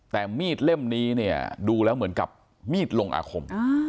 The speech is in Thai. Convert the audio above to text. แต่มีดเล่มนี้เนี่ยดูแล้วเหมือนกับมีดลงอาคม